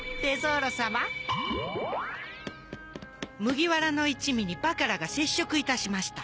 麦わらの一味にバカラが接触いたしました。